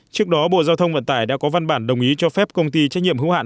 trước đó bộ giao thông vận tải đã có văn bản đồng ý cho phép công ty trách nhiệm hữu hạn